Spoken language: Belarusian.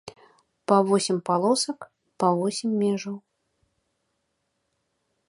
Па восем палосак, па восем межаў.